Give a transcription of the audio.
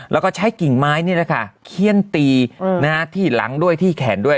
แล้วก็ใช้กิ่งไม้นี่แหละค่ะเขี้ยนตีที่หลังด้วยที่แขนด้วย